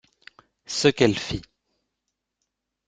Ce qu'elle fit.